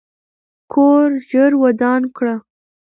کور ژر ودان کړه.